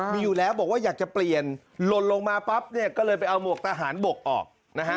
มีอยู่แล้วบอกว่าอยากจะเปลี่ยนหล่นลงมาปั๊บเนี่ยก็เลยไปเอาหมวกทหารบกออกนะฮะ